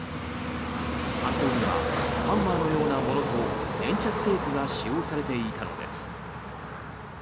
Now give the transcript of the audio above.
犯行にはハンマーのようなものと粘着テープが使用されていたのです。